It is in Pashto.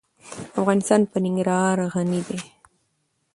افغانستان په ننګرهار غني دی.